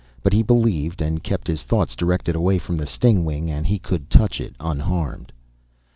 But he believed and kept his thoughts directed away from the stingwing and he could touch it unharmed.